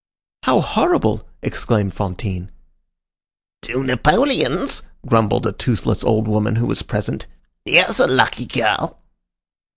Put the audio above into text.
"How horrible!" exclaimed Fantine. "Two napoleons!" grumbled a toothless old woman who was present. "Here's a lucky girl!"